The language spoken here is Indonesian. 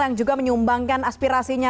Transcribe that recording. yang juga menyumbangkan aspirasinya